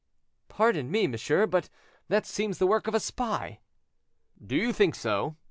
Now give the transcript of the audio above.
"Pardon me, monsieur; but that seems the work of a spy." "Do you think so?